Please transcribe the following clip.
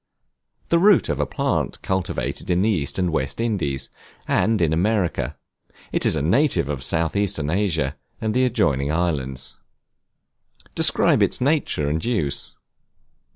The root of a plant cultivated in the East and West Indies, and in America; it is a native of South eastern Asia and the adjoining islands. Describe its nature and use.